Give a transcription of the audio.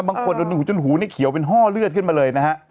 บางคนโดนหูจนหูนี่เขียวเป็นห้อเลือดขึ้นมาเลยนะฮะ